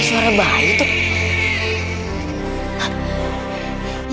itu suara bayi tuh